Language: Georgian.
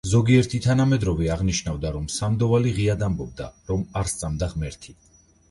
ზოგიერთი თანამედროვე აღნიშნავდა, რომ სანდოვალი ღიად ამბობდა, რომ არ სწამდა ღმერთი.